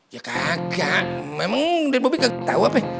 ya kagak memang den bobi gak tau apa